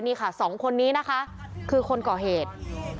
นี่ค่ะสองคนนี้นะคะคือคนก่อเหตุ